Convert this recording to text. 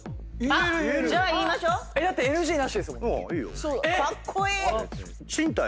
だってＮＧなしですもんね？